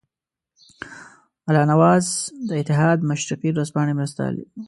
الله نواز د اتحاد مشرقي ورځپاڼې مرستیال وو.